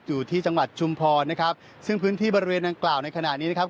อยู่ที่จังหวัดชุมพรนะครับซึ่งพื้นที่บริเวณดังกล่าวในขณะนี้นะครับ